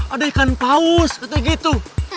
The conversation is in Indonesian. ada ikan paus katanya gitu